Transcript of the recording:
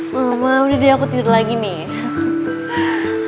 mama udah deh aku tidur lagi nih